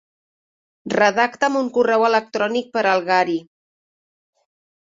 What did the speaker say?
Redacta'm un correu electrònic per al Gary.